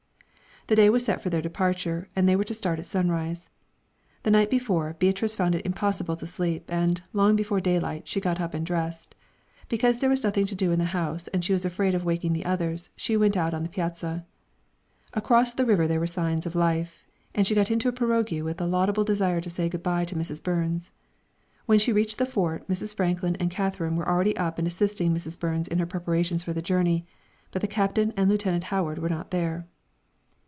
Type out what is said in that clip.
The day was set for their departure, and they were to start at sunrise. The night before, Beatrice found it impossible to sleep, and, long before daylight, she got up and dressed. Because there was nothing to do in the house and she was afraid of waking the others, she went out on the piazza. Across the river there were signs of life, and she got into a pirogue with the laudable desire to say good bye to Mrs. Burns. When she reached the Fort, Mrs. Franklin and Katherine were already up and assisting Mrs. Burns in her preparations for the journey; but the Captain and Lieutenant Howard were not there.